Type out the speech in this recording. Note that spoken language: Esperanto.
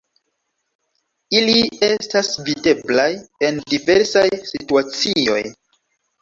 Ili estas videblaj en diversaj situacioj.